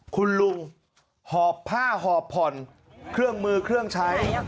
คุณลุงหอบผ้าหอบผ่อนเครื่องมือเครื่องใช้